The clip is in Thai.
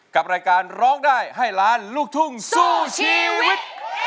กับรายการร้องได้ให้ล้านลูกทุ่งสู้ชีวิต